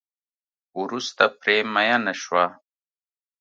وروسته پرې میېنه شوه.